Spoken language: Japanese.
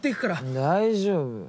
大丈夫。